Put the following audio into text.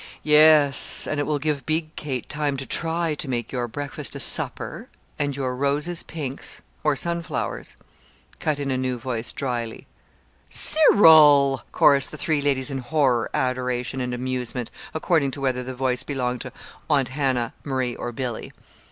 "Yes, and it will give Big Kate time to try to make your breakfast a supper, and your roses pinks or sunflowers," cut in a new voice, dryly. "Cyril!" chorussed the three ladies in horror, adoration, and amusement according to whether the voice belonged to Aunt Hannah, Marie, or Billy.